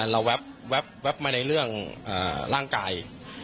แว๊บมาในเรื่องร่างกาย